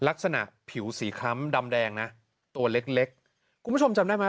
ลักษณะผิวสีคล้ำดำแดงนะตัวเล็กเล็กคุณผู้ชมจำได้ไหม